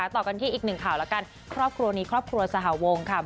ต่อกันที่อีกหนึ่งข่าวแล้วกันครอบครัวนี้ครอบครัวสหวงค่ะ